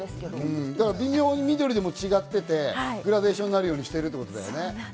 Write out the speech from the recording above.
微妙に緑でも違っていてグラデーションになるようにしてるんだね。